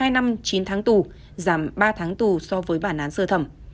hai năm chín tháng tù giảm ba tháng tù so với bản án sơ thẩm